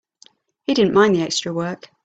He didn't mind the extra work.